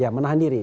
ya menahan diri